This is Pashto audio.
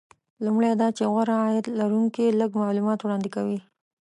لومړی دا چې غوره عاید لرونکي لږ معلومات وړاندې کوي